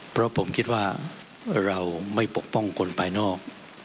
เพราะผมคิดว่าเราไม่ปกป้องคนภายนอก